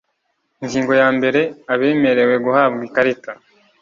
ingingo ya mbere abemerewe guhabwa ikarita